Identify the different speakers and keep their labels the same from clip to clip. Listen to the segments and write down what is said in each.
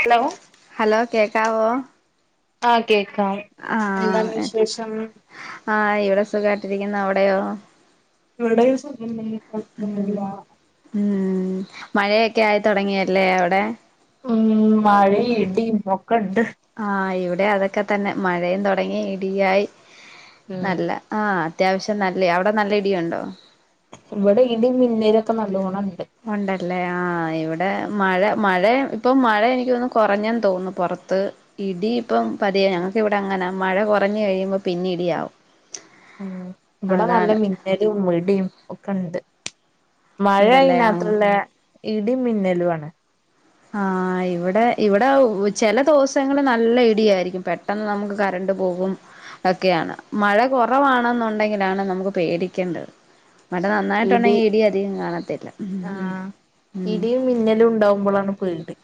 Speaker 1: Hello
Speaker 2: hello കേക്കാവോ
Speaker 1: ആ കേക്കാം എന്താണ്
Speaker 2: ആഹ്
Speaker 1: വിശേഷം
Speaker 2: ആ ഇവിടെ സുഖാട്ടിരിക്കുന്നു അവിടെയോ
Speaker 1: ഇവിടെയും സുഖം തന്നെ
Speaker 2: ഉം
Speaker 1: കുഴപ്പൊന്നുമില്ല
Speaker 2: ഉം മഴയൊക്കെ ആയി തൊടങ്ങിയല്ലേ അവിടെ
Speaker 1: ഉം മഴയും ഇടിയും ഒക്കെണ്ട്
Speaker 2: ആഹ് ഇവിടെ അതൊക്കെത്തന്നെ മഴയും തുടങ്ങി ഇടിയായി
Speaker 1: ഉം
Speaker 2: നല്ല ആ അത്യാവശ്യം നല്ലെ അവിടെ നല്ല ഇടിയുണ്ടോ
Speaker 1: ഇവിടെ ഇടി മിന്നലൊക്കെ നല്ലോണണ്ട്
Speaker 2: ഉണ്ടല്ലേ ആ ഇവിടെ മഴ മഴ ഇപ്പൊ മഴ എനിക്കൊന്നു കൊറഞ്ഞെന്ന് തോന്നുന്നു പുറത്ത് ഇടി ഇപ്പം പതിയെ
Speaker 1: ഉം
Speaker 2: ഞങ്ങക്ക് ഇവിടെ അങ്ങനാ മഴ കൊറഞ്ഞു കഴിയുമ്പോ പിന്നെ ഇടിയാവും
Speaker 1: ഉം ഇവിടെ നല്ല
Speaker 2: അതാണ്
Speaker 1: മിന്നലും ഇടിയും ഒക്കെണ്ട് മഴ
Speaker 2: ഉണ്ടല്ലേ ആഹ്
Speaker 1: അയ്നാത്രെല്ല ഇടിം മിന്നലുവാണ്
Speaker 2: ആഹ് ഇവിടെ ഇവിടെ ഓ ചെല ദോസങ്ങള് നല്ല ഇടിയാരിക്കും പെട്ടെന്ന് നമുക്ക് കരണ്ട് പോവ്വും ഒക്കെയാണ് മഴ കൊറവാണെന്നുണ്ടെങ്കിലാണ് നമുക്ക് പേടിക്കേണ്ടത് മഴ നന്നായിട്ടുണ്ടെങ്കി ഇടി അധികം കാണത്തില്ല ഉംഹ്ഹ് ഉം
Speaker 1: മിന്നലുണ്ടാവുമ്പോളാണ് പേടി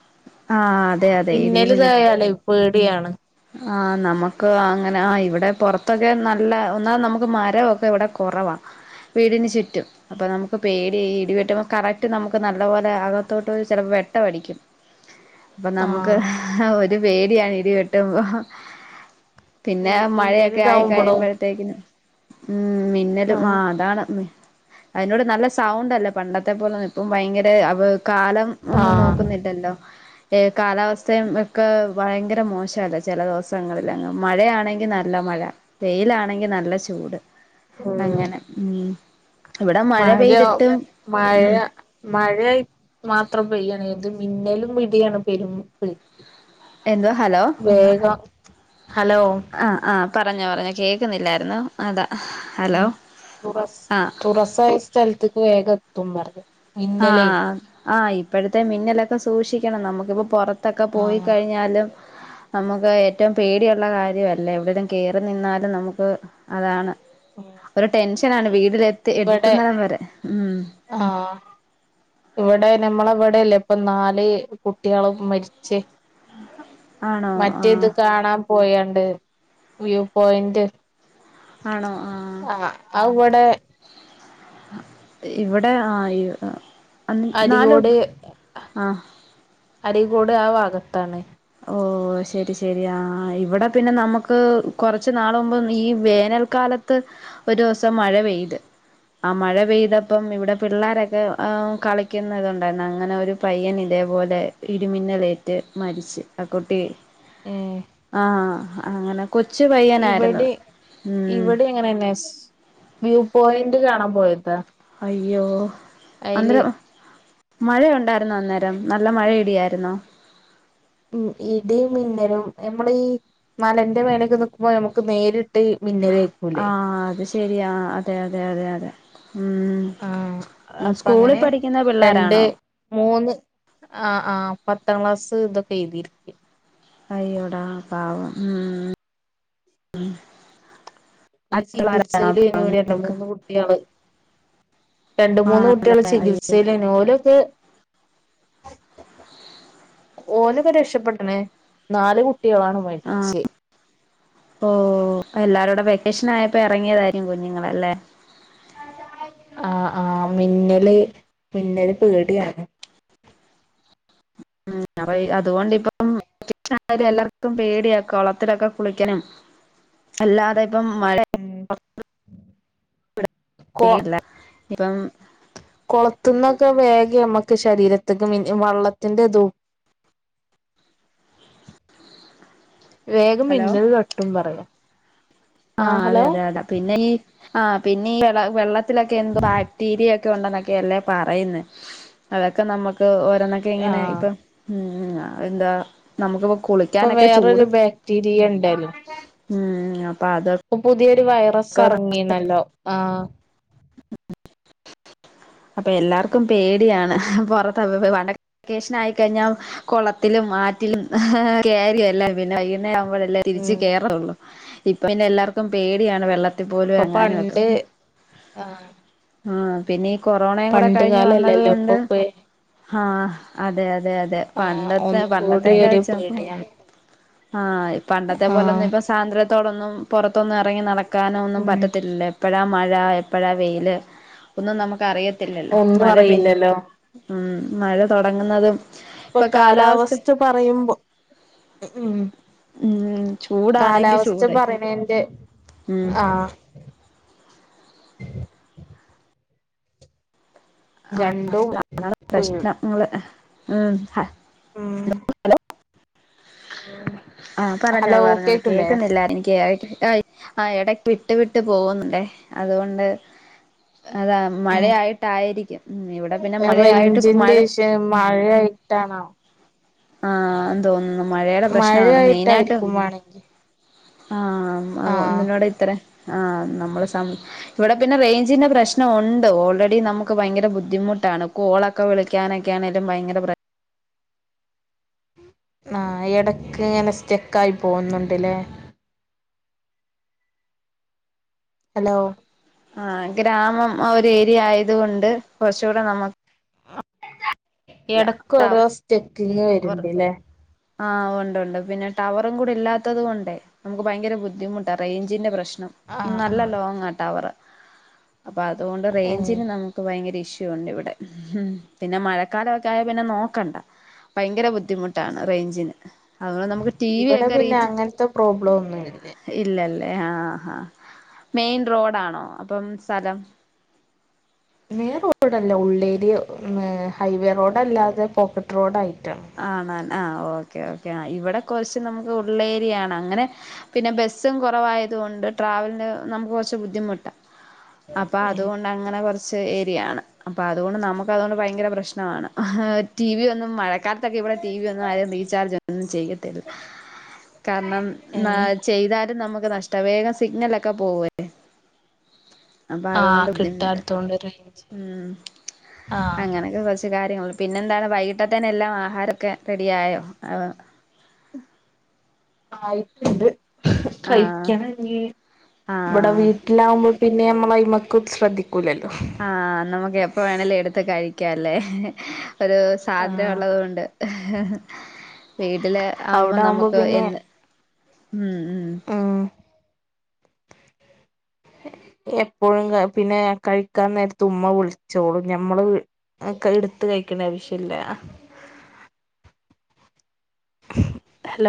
Speaker 2: ആഹ് അതെ അതെ ഇടി മിന്ന
Speaker 1: മിന്നല്തായാലേ പേടിയാണ്
Speaker 2: ആഹ് നമുക്ക് അങ്ങനെ ആഹ് ഇവിടെ പോറത്തൊക്കെ നല്ല ഒന്നാതെ നമുക്ക് മരവൊക്കെ ഇവിടെ കൊറവാ വീടിന് ചുറ്റും അപ്പ നമുക്ക് പേടിയാ ഈ ഇടി വെട്ടുമ്പോ കറക്റ്റ് നമുക്ക് നല്ലപോലെ അകത്തോട്ട് ചെലപ്പം വെട്ടം അടിക്കും അപ്പം
Speaker 1: ആ
Speaker 2: നമുക്ക് ഒരു പേടിയാണ് ഇടി വെട്ടുമ്പോ
Speaker 1: ഈ
Speaker 2: പിന്നെ
Speaker 1: മിന്നല്
Speaker 2: മഴയക്കെ ആയി
Speaker 1: ഇതാവുമ്പോളോ
Speaker 2: കഴിയുമ്പോഴത്തേക്ക്‌ന് ഉം
Speaker 1: ആ
Speaker 2: മിന്നലും ആഹ് അതാണ് അയ്ന്റൂടെ നല്ല സൗണ്ടല്ലേ പണ്ടത്തെ പോലൊന്നും ഇപ്പം ഭയങ്കര അവ് കാലം
Speaker 1: ആ
Speaker 2: ഒന്നും നോക്കുന്നില്ലല്ലോ ഏഹ് കാലാവസ്ഥയുംയെക്കെ ഭയങ്കര മോശല്ലേ ചെല ദെവസങ്ങളിലങ്ങ് മഴയാണെങ്കി നല്ല മഴ വെയിലാണെങ്കി നല്ല ചൂട്
Speaker 1: ഉം
Speaker 2: അങ്ങനെ ഉം ഇവിടെ മഴ പെയ്തിട്ടും ഉം
Speaker 1: മഴയായ് മാത്രം പെയ്യാണെ ഇത് മിന്നലും ഇടിയാണ് പെരും പേടി
Speaker 2: എന്തുവാ ഹലോ
Speaker 1: വേഗം ഹലോ
Speaker 2: ആഹ് ആഹ് പറഞ്ഞോ ഏഹ് കേൾക്കുന്നില്ലാരുന്നു അതാ
Speaker 1: ഉം
Speaker 2: ഹലോ
Speaker 1: തുറസ്
Speaker 2: ആ
Speaker 1: തുറസായ സ്ഥലത്ത്ക്ക് വേഗത്തും പറഞ്ഞ്
Speaker 2: ആഹ് ആഹ് ഇപ്പോഴത്തെ മിന്നലക്കെ സൂക്ഷിക്കണം നമുക്കിപ്പൊ പൊറത്ത് ത്തക്കെ
Speaker 1: ആഹ്
Speaker 2: പോയിക്കഴിഞ്ഞാലും നമുക്ക് ഏറ്റോം പേടിയൊള്ള കാര്യവല്ലേ എവിടേലും കേറി നിന്നാലും നമുക്ക് അതാണ് ഒര് ടെൻഷനാണ് വീട്ടിലെത്തി
Speaker 1: ഇവിടെ
Speaker 2: എത്ത്ന്നടം വരെ ഉം
Speaker 1: ആഹ് ഇവ്ടെ നമ്മളെവിടെല്ലേ ഇപ്പന്നാല് കുട്ടികളും മരിച്ച്
Speaker 2: ആണോ
Speaker 1: മറ്റേത്
Speaker 2: ആഹ്
Speaker 1: കാണാൻ പോയാണ്ട് വ്യൂ പോയന്റ്
Speaker 2: ആണോ ആഹ്
Speaker 1: അവ്വ്ടേ
Speaker 2: ഇവിടെ ആഹ് ഇവ്
Speaker 1: അരികോട്
Speaker 2: ആഹ്
Speaker 1: അരികോട് ആഹ് ഭാഗത്താണ്
Speaker 2: ഓഹ് ശെരി ശെരി ആഹ് ഇവിടെ പിന്നെ നമുക്ക് കൊറച്ച് നാള് മുമ്പ് ഈ വേനൽ കാലത്ത് ഒരൊസം മഴ പെയ്ത് ആഹ് മഴ പെയ്തപ്പം ഇവിടെ പിള്ളോരക്കെ ആഹ് കളിക്കുന്നത്ണ്ടാരുന്നു അങ്ങനെ ഒരു പയ്യൻ ഇതേപോലെ ഇടിമിന്നലേറ്റ് മരിച്ച് ആഹ് കുട്ടി
Speaker 1: ഏഹ്
Speaker 2: ആഹ് അങ്ങനെ കൊച്ചു പയ്യനാരുന്ന് ഉം
Speaker 1: അങ്ങനെന്നേ സ് വ്യൂ പോയന്റ് കാണാൻ പോയതാ
Speaker 2: അയ്യോ
Speaker 1: അയില്
Speaker 2: അന്നരം മഴയൊണ്ടാരുന്നോ അന്നേരം നല്ല മഴേം ഇടിയാര്ന്നോ
Speaker 1: ഉം ഇടിം മിന്നലും ഞമ്മളീ മലേന്റെ മേലെക്കെ നിക്കുമ്പോ നമുക്ക് നേരിട്ടീ മിന്നല് ഏൽക്കൂലേ
Speaker 2: ആഹ് അത് ശെരിയാ അതെ അതെ അതെ അതെ ഉം ഉം
Speaker 1: അപ്പൊ
Speaker 2: സ്കൂളി
Speaker 1: അങ്ങനെ
Speaker 2: പഠിക്ക്‌ന്ന
Speaker 1: രണ്ട്
Speaker 2: പിള്ളേരാണോ
Speaker 1: മൂന്ന് ആഹ് ആഹ് പത്താം ക്ലാസ് ഇതൊക്കെ എഴുതിരിക്ക
Speaker 2: അയ്യോടാ പാവം ഉം ഉം
Speaker 1: പിന്നെ ചികിത്സയിലേന്നു
Speaker 2: അപ്പം നിങ്ങക്ക്
Speaker 1: രണ്ട്മൂന്ന് കുട്ടിയാള് രണ്ട്മൂന്ന് കുട്ട്യാള്
Speaker 2: ആണല്ലേ അയ്യോ
Speaker 1: ചികിത്സലേന്നു ഓലൊക്ക് ഓലൊക്കെ രക്ഷപ്പെട്ടണേ നാല് കുട്ട്യാളാണ് മരിച്ച്
Speaker 2: ഓ എല്ലാരോടെ വെക്കേഷൻ ആയപ്പോ ഇറങ്ങിയതായിരിക്കും കുഞ്ഞുങ്ങളല്ലെ
Speaker 1: ആഹ് ആഹ് മിന്നല് മിന്നല് പേടിയാണ്
Speaker 2: അപ്പൊ അതുകൊണ്ടിപ്പം [unintelligible] എല്ലർക്കും പേടിയ കൊളത്തിലൊക്കെ കുളിക്കനും.. അല്ലാതെ ഇപ്പം മഴ
Speaker 1: അയേ
Speaker 2: [unintelligible] ഇപ്പം
Speaker 1: കൊളത്തുന്നൊക്കെ വേഗ്യ അമ്മക്ക് ശരീരത്തൊക്കെ മിൻ വെള്ളത്തിന്റെതും.
Speaker 2: സസ്..
Speaker 1: വേഗം മിന്നൽ തട്ടും പറയാ
Speaker 2: ആഹ് അതെ അതെ അത പിന്നെ ഈ ആഹ് പിന്നെ ഈ വെള്ള വെള്ളത്തിലൊക്കെ എന്തോ ബാക്ടീരിയ ക്കെ ഉണ്ടെന്നൊക്കെ അല്ലേ പറയുന്നെ, അതൊക്കെ നമ്മുക്ക് ഓരോന്നൊക്കെ ഇങ്ങനെ
Speaker 1: ആഹ്
Speaker 2: ഇപ്പം ഉം അതെന്താ നമുക്കിപ്പം കുളി
Speaker 1: ഇപ്പൊ വേറൊരു ബാക്ടീരിയ ഇണ്ടലോ
Speaker 2: ഉം അപ്പൊ അതൊക്കെ
Speaker 1: ഇപ്പൊ പുതിയൊരു വൈറസ് എറങ്ങീണല്ലോ ആഹ്
Speaker 2: [unintelligible] അപ്പൊ എല്ലാർക്കും പേടിയാണ് പുറത്ത വണ്ട വെക്കേഷൻ ആയിക്കഴിഞ്ഞാ കുളത്തിലും ആറ്റിലും കേരി എല്ലാം പിന്നെ വൈകുന്നേം ആവുമ്പോഴല്ലെ തിരിച്ചു
Speaker 1: ഉം
Speaker 2: കേറത്തുള്ളു. ഇപ്പൊ അതിന് എല്ലാർക്കും പേടിയാണ് വെള്ളത്തിൽ പോലും
Speaker 1: ഇപ്പൊ
Speaker 2: എറങ്ങാനും ഒക്കെ
Speaker 1: പണ്ട് ആഹ്
Speaker 2: ആഹ് പിന്നെ ഈ കൊറോണയും കൂടെ
Speaker 1: പണ്ട്
Speaker 2: കഴിഞ്ഞു വന്നത്
Speaker 1: കാലല്ലല്ലോ
Speaker 2: കൊണ്ട്..
Speaker 1: ഇപ്പൊ പേ
Speaker 2: ആഹ് അതെ അതെ അതെ
Speaker 1: ആഹ്
Speaker 2: പണ്ടത്തെ
Speaker 1: ഒന്നും കൂടി
Speaker 2: പണ്ടത്തെക്കെ
Speaker 1: ഒരു
Speaker 2: വെച്ച് നോക്കുമ്പം
Speaker 1: പേടിയാണ്
Speaker 2: ആഹ് പണ്ടത്തെ
Speaker 1: ആഹ്
Speaker 2: പോലൊന്നിപ്പം സ് സാന്ദ്രത്തോടൊന്നും പുറത്തൊന്നും ഇറങ്ങി നടക്കാനൊന്നും
Speaker 1: ഉം
Speaker 2: പറ്റത്തില്ലല്ലേ.. എപ്പഴാ മഴ എപ്പഴാ വെയില് ഒന്നും നമുക്ക് അറിയത്തില്ലല്ലോ
Speaker 1: ഒന്നും
Speaker 2: മഴ പെയ്
Speaker 1: അറിയില്ലല്ലോ
Speaker 2: ഉം മഴ തൊടങ്ങുന്നതും
Speaker 1: ഇപ്പൊ കാലാവസ്ഥ പറയുമ്പൊ ഉം ഉം
Speaker 2: ഉം ചൂടാണെങ്കിൽ
Speaker 1: കാലാവസ്ഥ
Speaker 2: ചൂടെ
Speaker 1: പറയണേന്റെ
Speaker 2: ഉം
Speaker 1: ആഹ്
Speaker 2: ആഹ്
Speaker 1: രണ്ടും
Speaker 2: [unintelligible] പ്രശ്ണം ങ്ങള് ഉം ഹ
Speaker 1: ഉം
Speaker 2: ആഹ്
Speaker 1: ഹലോ
Speaker 2: പറഞ്ഞോളു പറഞ്ഞോളു
Speaker 1: കേക്കില്ലേ
Speaker 2: കേക്കുന്നില്ല എനിക്ക് [unintelligible] ആഹ് എട വിട്ട് വിട്ട് പോകുന്നുണ്ടേ അതുകൊണ്ട്. അതാ മഴയായിട്ടായിരിക്കും. ഉം ഇവിടെ പിന്നെ മഴയായിട്ട് മഴ
Speaker 1: റെഞ്ചിന്റെ ഷം മഴയായിട്ടാണോ?
Speaker 2: ആഹ് തോന്നുന്നു മഴയുടെ പ്രശ്നമാണ് മെയിനായിട്ട്
Speaker 1: പണിക്ക്
Speaker 2: ആഹ് ഒന്നിനോട് ഇത്രെ ആഹ് നമ്മള് സം ഇവിടെ പിന്നെ റെയ്ഞ്ചിന്റെ പ്രശ്നൊ ഒണ്ട് ഓൾറെഡി നമുക്ക് ഭയങ്കര ബുദ് ദ്ധിമുട്ടാണ് കോളൊക്കെ വിളിക്കാനൊക്കെയാണേലും ഭയങ്കര പ്ര
Speaker 1: ആഹ് എടക്ക് ഇങ്ങനെ സ്റ്റെക്കായി പോകുന്നുണ്ട്ല്ലേ. ഹലോ..
Speaker 2: ആഹ് ഗ്രാമം ഒരു ഏരിയ ആയത് കൊണ്ട് കൊർച്ചുകൂടെ നമുക്
Speaker 1: ഇടക്ക് ഓരോ സ്റ്റെക്കിങ്ങ്
Speaker 2: അവർ
Speaker 1: വര്ണ്ട് ല്ലേ.
Speaker 2: ആഹ് ഉണ്ട് ഉണ്ട് പിന്നെ ടവറും കൂടി ഇല്ലാത്തതും കൊണ്ട്.. നമുക്ക് ഭയങ്കര ബുദ്ധിമുട്ടാ റേഞ്ചിന്റെ പ്രശ്നം
Speaker 1: ആഹ്
Speaker 2: നല്ല
Speaker 1: ആഹ്
Speaker 2: ലോങ് ആ ടവറ്. അപ്പൊ അതുകൊണ്ട്
Speaker 1: ഏഹ്
Speaker 2: റേഞ്ചിന് നമ ഭയങ്കര ഇഷ്യൂ ഉണ്ട് ഇവിടെ ഉം പിന്നെ മഴക്കാലമൊക്കെ ആയ പിന്നെ നോക്കണ്ട ഭയങ്കര ബുദ്ധിമുട്ടാണ് റേഞ്ചിന്. അതുകെ നമുക്ക് ടി വി
Speaker 1: ഇവിടെ
Speaker 2: ഒക്കെ
Speaker 1: പിന്നെ
Speaker 2: റീച്ച്
Speaker 1: അങ്ങനത്തെ പ്രോബ്ലം ഒന്നുമില്ല
Speaker 2: ഇല്ലല്ലേ അഹ് മെയിൻ റോഡാണോ അപ്പം സ്ഥലം
Speaker 1: മെയിൻ റോഡോടല്ല ഉള്ളേരി ഉം ഹൈവേ റോഡ് അല്ലാതെ പോക്കറ്റ് റോഡായിട്ടാണ്
Speaker 2: ആണാൻ ആഹ് ഓക്കെ ഓക്കെ ആഹ് ഇവിടെ കുറച്ച് നമുക്ക് ഉള്ളേരിയയാണ് അങ്ങനെ പിന്നെ ബസ്സും കുറവായത കൊണ്ട് ട്രാവലിന് നമുക്ക് കുറച്ച് ബുദ്ധിമുട്ടാ അപ്പൊ അതുകൊണ്ട് അങ്ങനെ കൊറ ച്ച് ഏരിയാണ് അപ്പോൾ അതുകൊണ്ട് നമുക്ക്തുകൊണ്ട് ഭയങ്കര പ്രശ്നമാണ് ടി വി ഒന്നും മഴക്കാല.. ക്കെ ഇവിടെ ടി വി ഒന്നും ആരും റീചാർജ് ഒന്നും ചെയ്യത്തില്ല കാരണം
Speaker 1: ഏ
Speaker 2: ചെയ്താലും നമുക്ക് നഷ്ടം വേഗം സിഗ്നലൊക്കെ പോവേ അപ്പൊ
Speaker 1: ആഹ്
Speaker 2: അതുകൊണ്ട് ബുദ്ധിമുട്ട്
Speaker 1: കിട്ടാത്തോണ്ട് റേഞ്ച്
Speaker 2: ഉം
Speaker 1: ആഹ്
Speaker 2: അങ്ങനൊക്കെ [unintelligible] [unintelligible] കാര്യങ്ങൾ പിന്നെ എന്താണ് വൈകിട്ടേ തന്നെല്ലാം ആഹാരമൊക്കെ റെഡിയായോ [unintelligible]
Speaker 1: ആയിട്ടുണ്ട്
Speaker 2: ആഹ്
Speaker 1: കഴിക്കണെങ്കി ഇവിടെ
Speaker 2: ആഹ്
Speaker 1: വീ [unintelligible] മ്പോ പിന്നെ നമ്മള്മക്ക് ശ്രദ്ധിക്കൂലല്ലോ
Speaker 2: ആഹ് നമുക്ക് എപ്പ വേണലോ എടുത്ത് കഴിക്കല്ലേ ഒരു സ്വാദന്ദ്രം ഉള്ളത് കൊണ്ട് വീട്ടില് ആവുമ്പോ
Speaker 1: അവിടെ
Speaker 2: നമുക്ക്
Speaker 1: പിന്നെ
Speaker 2: എന്ന് ഉം ഉം
Speaker 1: ആഹ് എപ്പോഴും പിന്നെ കഴിക്കാൻ നേരത്ത് ഉമ്മ വിളിച്ചോളൂ ഞമ്മള് ആ എടുത്ത് കഴിക്കണേ ആവശ്യ ഇല്ല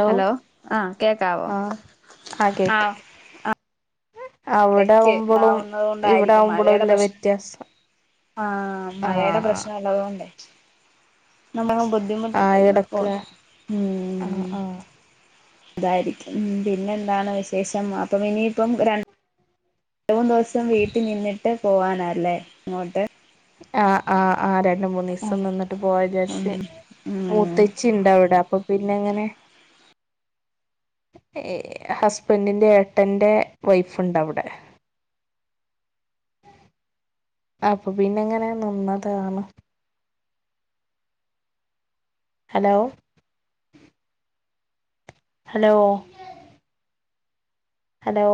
Speaker 2: ഹലോ അഹ് കേക്കാവോ
Speaker 1: ആഹ് ആഹ് കേക്ക്
Speaker 2: അഹ്
Speaker 1: അവിടെ
Speaker 2: ഇടക്ക്
Speaker 1: ആവുമ്പോളും
Speaker 2: ഉണ്ടാവുന്നത
Speaker 1: ഇവിടെ
Speaker 2: കൊണ്ടായിരിക്കും
Speaker 1: ആവുമ്പോളും
Speaker 2: മഴയുടെ
Speaker 1: ഇല്ല
Speaker 2: പ്രശ്നം
Speaker 1: വ്യത്യാസം
Speaker 2: ആഹ് മഴയുടെ
Speaker 1: ആഹ്
Speaker 2: പ്രശ്നം ഉള്ളതുകൊണ്ടേ നമ്മളെ [unintelligible] ബുദ്ധിമുട്ടി
Speaker 1: ആഹ്
Speaker 2: [unintelligible]
Speaker 1: എടക്ക് ആഹ് ആഹ്
Speaker 2: അതായിരിക്കും പിന്നെ എന്താണ് വിശേഷം അപ്പം ഇനിയിപ്പം രണ് [unintelligible] ദിവസം വീട്ടിൽ നിന്നിട്ട് പോവാനല്ലേ അങ്ങോട്ട്
Speaker 1: ആഹ് ആഹ് അഹ് രണ്ട മൂന്ന്
Speaker 2: ഉം
Speaker 1: ദിവസം നിന്നിട്ട് പോവാ
Speaker 2: ഉം
Speaker 1: വിചാരിച്ചു
Speaker 2: ഉം
Speaker 1: മൂത്തച്ചി ഉണ്ട് അവിടെ അപ്പൊ പിന്നെ എങ്ങനെ ഹസ്ബൻഡിന്റെറെ ഏട്ട്ന്റെ വൈഫുണ്ട് അവിടെ അപ്പൊ പിന്നെ ങ്ങനെ നിന്നതാണ് hello hello hello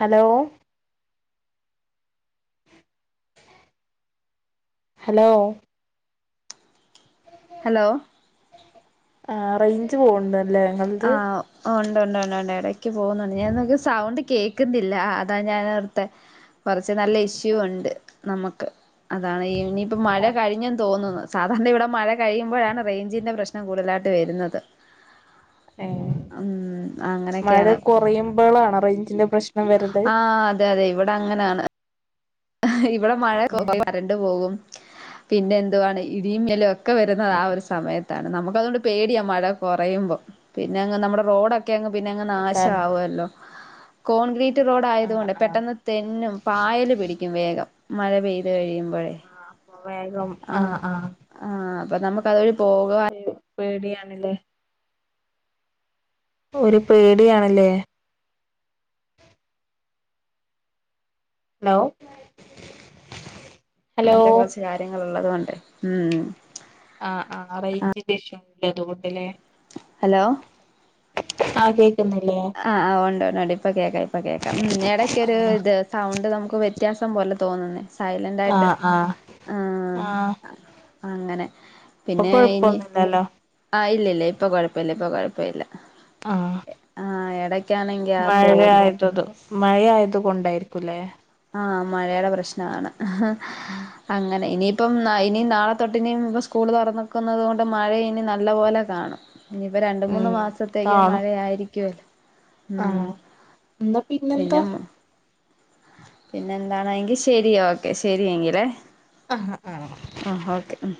Speaker 1: hello hello
Speaker 2: hello
Speaker 1: ആഹ് റേഞ്ച് പോവുണ്ട് അല്ലേ നിങ്ങളത്
Speaker 2: ആഹ് ഉണ്ട് ഉണ്ട് ഉണ്ട്ണ്ട് ഇടക്ക് പോകുന്നുണ്ട് ഞാൻക്ക് സൗണ്ട് കേക് ക്കുന്നില്ല അതാ ഞാൻ അവിടുത്തെ കുറച്ച് നല്ല ഇഷ്യൂ ഉണ്ട് നമുക്ക് അതാണ് ഇനിയിപ്പ മഴ
Speaker 1: ആഹ്
Speaker 2: കഴിഞ്ഞെന്ന് തോന്നുന്നു സാധാരണ ഇവിടെ മഴ കഴുമ്പോഴാണ് റേഞ്ചിന്റെ പ്രശ്നം കൂടുതലായിട്ട് വരുന്നത്
Speaker 1: ഏ
Speaker 2: ഉം
Speaker 1: മഴ
Speaker 2: അങ്ങനെയൊക്കെയാണ്
Speaker 1: കുറയുമ്പളാണ് റേഞ്ചിന്റെ പ്രശ്നം വരല്
Speaker 2: ആ അതെ അതെ ഇവിടെ അങ്ങനാണ് ഇവിടെ മഴ [unintelligible] കരണ്ട് പോകും പിന്നെ എന്തുവാണ് ഇടിമിന്നലൊക്കെ ഒക്കെ വരുന്നത് ആ ഒരു സമയത്താണ് നമുക്ക് അതുകൊണ്ട് പേടിയാ മഴ കുറയുമ്പോപിന്നെന്ന്നമ്മുടെ റോഡൊക്കെ ക്കെയങ്ങ്പിന്നെ അങ് നാശ
Speaker 1: കാരണം
Speaker 2: ആവുമല്ലോ കോൺക്രീറ്റ് റോഡ് ആയതു
Speaker 1: ആഹ്
Speaker 2: കൊണ്ട്
Speaker 1: ആഹ്
Speaker 2: പെട്ടെന്ന് തെന്നും പായല് പിടിക്കും ക്കും വേഗം മഴ പെയ്ത് കഴിയുമ്പോഴേ
Speaker 1: ആ അപ്പ വേഗം
Speaker 2: ആ
Speaker 1: ആഹ് ആഹ്
Speaker 2: ആ അപ്പൊ നമുക്ക് അതുവഴി പോക
Speaker 1: ഒരു പേടിയാണല്ലേ പ്പംഒരു പേടിയാല്ലേ ഹലോ ഹലോ
Speaker 2: അങ്ങത്തെ കുറച്ച് കാര്യങ്ങൾ ഉള്ളത കൊണ്ട് ഉ
Speaker 1: ആ ആ് റേഞ്ച് ൻ്റെ ഇശ്യു ഉണ്ട് അതുകൊണ്ടല്ലേ
Speaker 2: ഹലോ
Speaker 1: ആ കേക്കുന്നില്ലേ
Speaker 2: ആ് ഉണ്ട് ഉണ്ട് ഉണ്ട് ഇപ്പൊ കേൾക്കാം ഇപ്പൊ കേൾക്കാം ഉ ഇടക്കൊ ഒരു
Speaker 1: ആഹ്
Speaker 2: ഇത് സൗണ്ട് നമുക്ക് വ്യത്യാസം പോലെ തോന്നുന്നേ, സൈലന്റ് ആയിട്ട്,
Speaker 1: ആഹ് ആഹ്
Speaker 2: ആ...
Speaker 1: ആഹ്
Speaker 2: അങ്ങനെ.
Speaker 1: ഇപ്പൊ
Speaker 2: പിന്നെ ഇനി...
Speaker 1: കൊഴപ്പൊന്നുമില്ലല്ലോ
Speaker 2: ആഹ്, ഇല്ല ഇല്ല ഇപ്പൊ കുഴപ്പല്ല, ഇപ്പൊ കുഴപ്പ ഇല്ല.
Speaker 1: ആഹ്.
Speaker 2: ആഹ, എട
Speaker 1: മഴായ്തതു, മഴായത് കൊണ്ടായിരിക്കുംല്ലേ?
Speaker 2: ആ, മഴയുടെ പ്രശ്നമാണ്. അങ്ങനെ ഇനി... ഇപ്പം ഇനിയും നാളെ തൊട്ടിനും ഇപ്പ സ്കൂൾ തുറന്നക്കുന്നത് കൊണ്ട് മഴ ഇനി നല്ല പോലെ കാണും. ഇനിയിപ്പ രണ്ട് മൂന്ന്
Speaker 1: ഉം
Speaker 2: മാസത്തേക്ക് മഴ ആയിരിക്കല്ലോ?
Speaker 1: ആ, എന്നാ പിന്നെന്താ?
Speaker 2: പിന്നെ പിന്നെ എന്താണെ? ങ്കിൽ ശരി ഓക്കെ ശരിയെങ്കിലേ?
Speaker 1: ആ ആ ആ
Speaker 2: ആ, ഓക്കെ, ഉം.